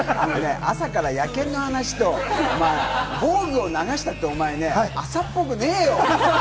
朝から野犬の話と防具を流したってお前ね、朝っぽくねぇよ！